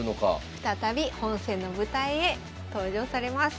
再び本戦の舞台へ登場されます。